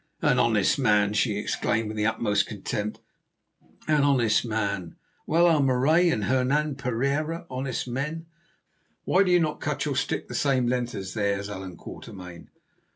"An honest man!" she exclaimed with the utmost contempt; "an honest man! Well, are Marais and Hernan Pereira honest men? Why do you not cut your stick the same length as theirs, Allan Quatermain?